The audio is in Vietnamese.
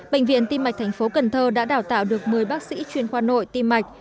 bệnh viện tim mạch tp cn đã đào tạo được một mươi bác sĩ chuyên khoa nội tim mạch